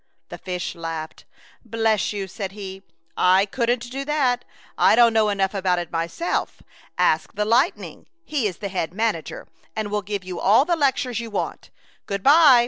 The fish laughed. " Bless you !'' said he, " I couldn't do that. I don't know enough about it myself. Ask the lightning. He is the head manager, and will give you all the lectures you want. Good by!